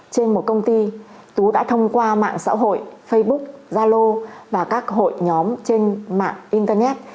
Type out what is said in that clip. trên một công ty tú đã thông qua mạng xã hội facebook zalo và các hội nhóm trên mạng internet